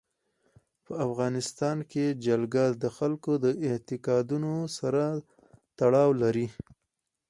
په افغانستان کې جلګه د خلکو د اعتقاداتو سره تړاو لري.